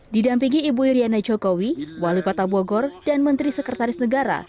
didampingi ibu iryana jokowi wali kota bogor dan menteri sekretaris negara